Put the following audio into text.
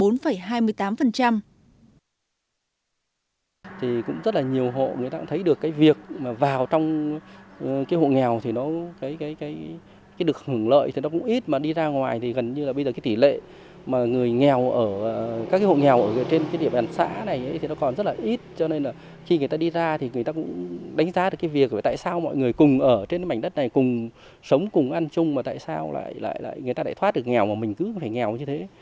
người nghèo ở các hộ nghèo ở trên địa bàn xã này thì nó còn rất là ít cho nên là khi người ta đi ra thì người ta cũng đánh giá được cái việc tại sao mọi người cùng ở trên mảnh đất này cùng sống cùng ăn chung và tại sao lại lại lại người ta lại thoát được nghèo mà mình cứ phải nghèo như thế